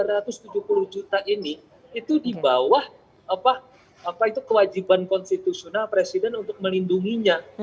yang ada di negara ini itu di bawah kewajiban konstitusional presiden untuk melindunginya